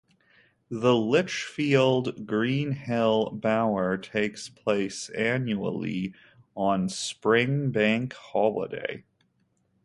The Lichfield Greenhill Bower takes place annually on Spring Bank Holiday.